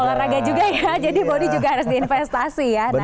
olahraga juga ya jadi bodi juga harus diinvestasi ya